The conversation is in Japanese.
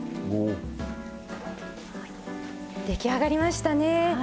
出来上がりましたね。